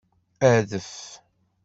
Adef.